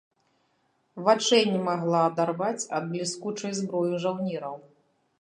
Вачэй не магла адарваць ад бліскучай зброі жаўнераў.